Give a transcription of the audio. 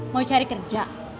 mau cari kerja